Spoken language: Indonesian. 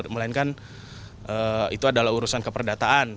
melainkan itu adalah urusan keperdataan